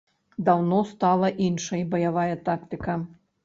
Даўно стала іншай баявая тактыка.